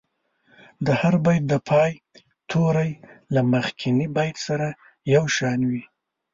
د هر بیت د پای توري له مخکني بیت سره یو شان وي.